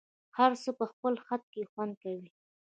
هر څه په خپل خد کي خوند کوي